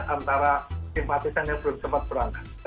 antara simpatisan yang belum sempat berangkat